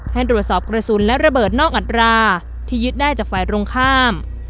ตรวจสอบกระสุนและระเบิดนอกอัตราที่ยึดได้จากฝ่ายตรงข้าม